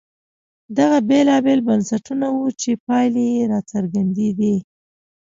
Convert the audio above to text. دغه بېلابېل بنسټونه وو چې پایلې یې راڅرګندېدې.